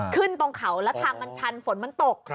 ขึ้นตรงเขาแล้วทางมันชันฝนมันตก